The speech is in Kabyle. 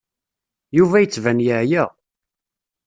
Yuba yettban yeɛya.